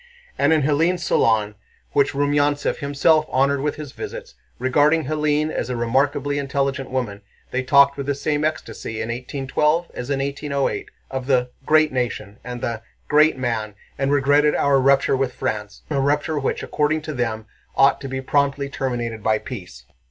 And in Hélène's salon, which Rumyántsev himself honored with his visits, regarding Hélène as a remarkably intelligent woman, they talked with the same ecstasy in 1812 as in 1808 of the "great nation" and the "great man," and regretted our rupture with France, a rupture which, according to them, ought to be promptly terminated by peace.